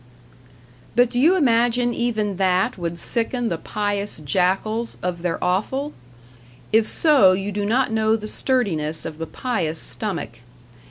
But do you imagine even that would sicken the pious jackals of their offal? If so, you do not know the sturdiness of the pious stomach.